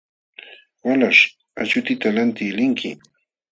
Walaśh, achuutita lantiq linki.